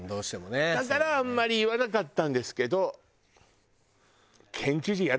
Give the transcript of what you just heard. だからあんまり言わなかったんですけど。